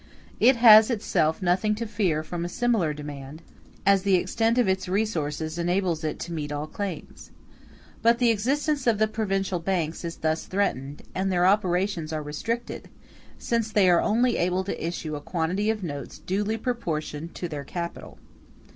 It has itself nothing to fear from a similar demand, as the extent of its resources enables it to meet all claims. But the existence of the provincial banks is thus threatened, and their operations are restricted, since they are only able to issue a quantity of notes duly proportioned to their capital.